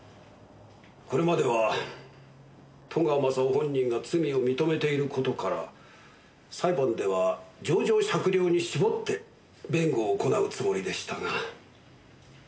これまでは戸川雅夫本人が罪を認めている事から裁判では情状酌量に絞って弁護を行うつもりでしたが。